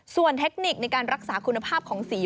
ส่วนเทคนิคในการรักษาคุณภาพของสี